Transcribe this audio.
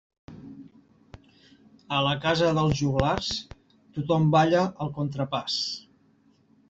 A la casa dels joglars, tothom balla el contrapàs.